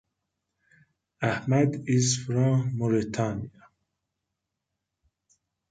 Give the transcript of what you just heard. Ahmed is from Mauritania.